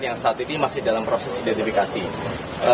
yang saat ini masih dikeluarkan